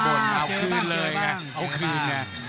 เจอบ้างเจอบ้างเอาคืนไง